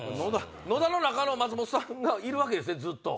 野田の中の松本さんがいるわけですねずっと。